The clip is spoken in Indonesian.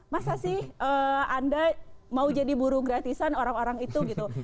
masa sih anda mau jadi buru gratisan orang orang itu gitu